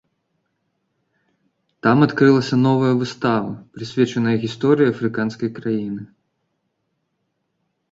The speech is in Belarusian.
Там адкрылася новая выстава, прысвечаная гісторыі афрыканскай краіны.